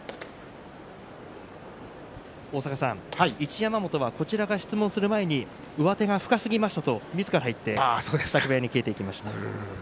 一山本はこちらが質問する前に上手が深すぎましたとみずから言って支度部屋に消えていきました。